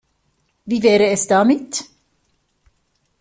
Wie wäre es damit?